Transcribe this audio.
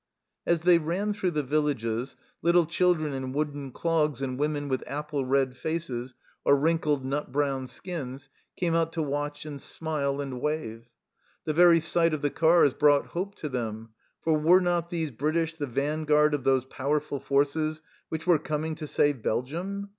As they ran through the villages, little children in wooden clogs and women with apple red faces or wrinkled nut brown skins, came out to watch and smile and w r ave. The very sight of the cars brought hope to them, for were not these British the vanguard of those powerful forces which were coming to save Belgium